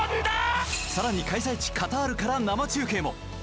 更に開催地カタールから生中継も。